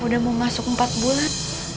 udah mau masuk empat bulan